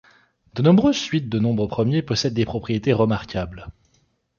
De nombreuses suites de nombres premiers possèdent des propriétés remarquables.